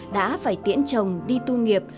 đã phải tiễn chồng đi tu nghiệp